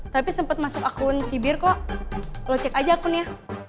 tapi sempet masuk akun cibir kok lo cek aja akunnya